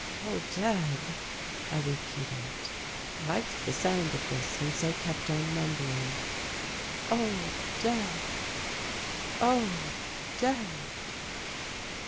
"All dead," I repeated. I liked the sound of this and so kept on mumbling "All dead, all dead."